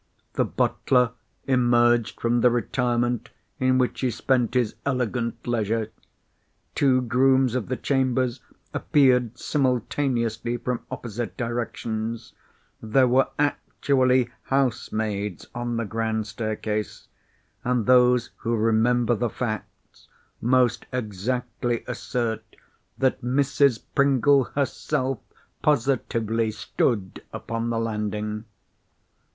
The butler emerged from the retirement in which he spent his elegant leisure, two grooms of the chambers appeared simultaneously from opposite directions, there were actually housemaids on the grand staircase, and those who remember the facts most exactly assert that Mrs. Pringle herself positively stood upon the landing.